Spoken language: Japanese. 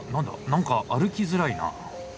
何か歩きづらいな。